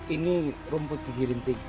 ini rumput di gigi rinting